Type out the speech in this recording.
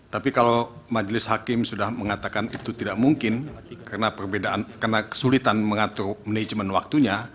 tapi kalau majelis hakim sudah mengatakan itu tidak mungkin karena perbedaan karena kesulitan mengatur manajemen waktunya